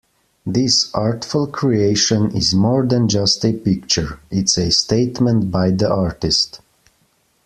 This artful creation is more than just a picture, it's a statement by the artist.